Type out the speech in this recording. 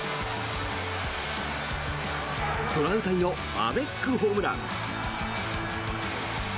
トラウタニのアベックホームラン。